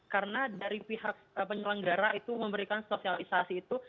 karena dari pihak penyelenggara itu memberikan sosialisasi itu